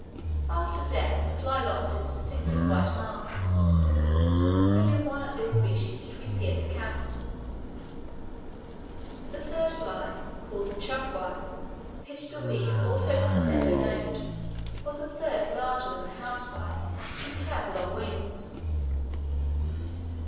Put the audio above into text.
After death the fly lost its distinctive white marks. Only one of this species did we see at this camp. The third fly, called "chufwa," pitched a weak alto crescendo note, was a third larger than the house fly, and had long wings.